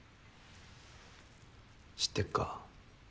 知ってっか？